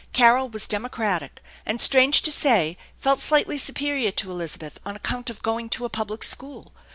Carol was democratic, and, strange to say, felt slightly superior to Elizabeth on account of going to a public school.